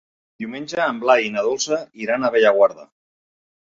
Diumenge en Blai i na Dolça iran a Bellaguarda.